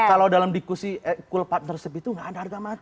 kalau dalam diskusi cool partnership itu nggak ada harga mati